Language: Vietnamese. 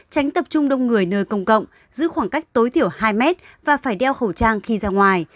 tránh tập trung đông người nơi công cộng giữ khoảng cách tối thiểu hai mét và phải đeo khẩu trang khi ra ngoài